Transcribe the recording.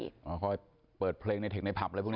เขาอาจจะเปิดเพลงในเทคในพรรบเลยพวกนี้